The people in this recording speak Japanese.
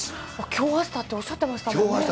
きょうあしたっておっしゃってましたもんね。